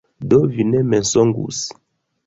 Do, vi ne mensogus.